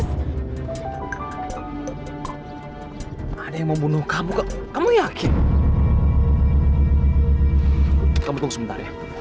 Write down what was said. sampai ketemu lagi